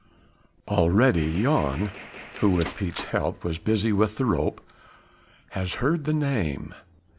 Already Jan who with Piet's help was busy with the rope has heard the name.